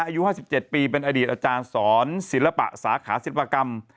อายุ๕๗ปีเป็นอดีตอาจารย์สอนศิลปะสาขาศิลปกรรม